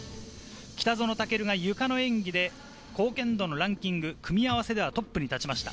北園丈琉がゆかの演技で貢献度のランキング、組み合わせではトップに立ちました。